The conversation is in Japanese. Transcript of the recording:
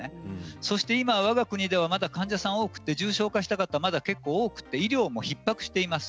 そうして今、わが国ではまだ患者さんが多くて重症化した方がまだ結構多くて医療もひっぱくしています。